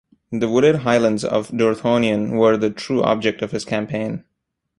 The wooded highlands of Dorthonion were the true object of his campaign.